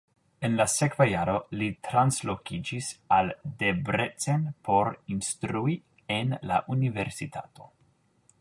En la sekva jaro li translokiĝis al Debrecen por instrui en la universitato.